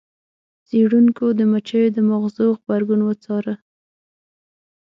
څیړونکو د مچیو د ماغزو غبرګون وڅاره.